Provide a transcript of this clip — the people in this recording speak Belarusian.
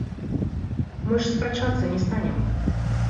Мы ж спрачацца не станем.